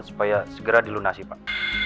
supaya segera dilunasi pak